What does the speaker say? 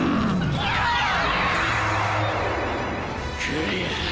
クリア。